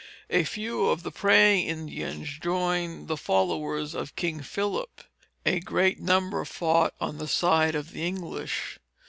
A few of the praying Indians joined the followers of King Philip. A greater number fought on the side of the English.